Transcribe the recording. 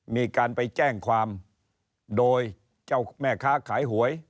มีการไปแจ้งความโดยเจ้าแม่ค้าขายหวย